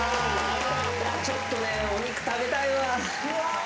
ちょっとねお肉食べたいわ。